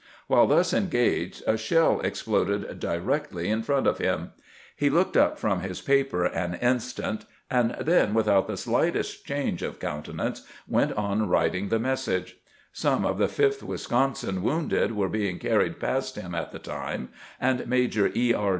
While thus engaged a shell exploded directly in front of him. He HOW A FAMOUS MESSAGE "WAS DESPATCHED 97 looked up from his paper an instant, and then, without the slightest change of countenance, went on writing the message. Some of the Fifth "Wisconsin wounded were being carried past him at the time, and Major E. R.